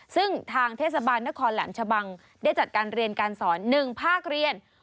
ซึ่งทางเทศบาลนครแหลมชะบังได้จัดการเรียนการสอน๑ภาคเรียน